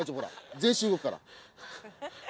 全身動くから。